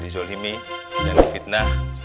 dizolimi dan difitnah